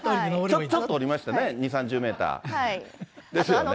ちょっと下りましたね、２、３０メーター。ですよね。